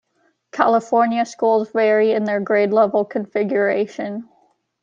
California schools vary in their grade-level configuration.